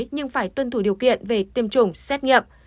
nhưng phải tuân thủ điều kiện về tiêm chủng xét nghiệm